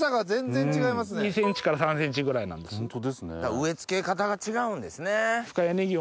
植え付け方が違うんですね。